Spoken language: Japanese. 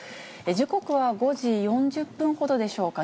時刻は５時４０分ほどでしょうか。